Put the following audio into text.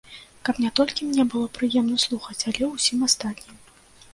Каб не толькі мне было прыемна слухаць, але і ўсім астатнім.